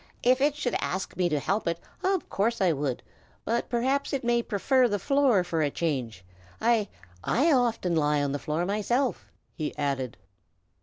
If it should ask me to help it, of course I would; but perhaps it may prefer the floor for a change. I I often lie on the floor, myself," he added.